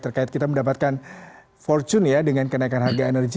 terkait kita mendapatkan fortune ya dengan kenaikan harga energi